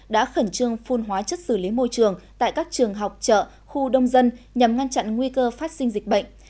đã khẩn trương phun hóa chất xử lý môi trường tại các trường học chợ khu đông dân nhằm ngăn chặn nguy cơ phát sinh dịch bệnh